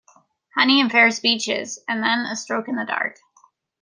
Honey and fair speeches, and then a stroke in the dark.